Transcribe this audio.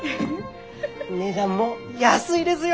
値段も安いですよ！